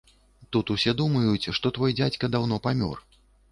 Тут усе думаюць, што твой дзядзька даўно памёр.